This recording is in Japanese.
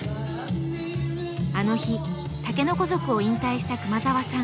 あの日竹の子族を引退した熊澤さん。